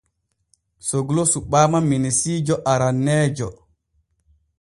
Soglo suɓaama minisiijo aranneejo.